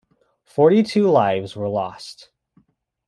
Forty-two lives were lost.